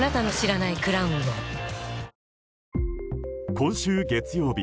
今週月曜日